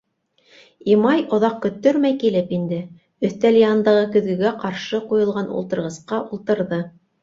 Имай оҙаҡ көттөрмәй килеп инде, өҫтәл янындағы көҙгөгә ҡаршы ҡуйылған ултырғысҡа ултырҙы.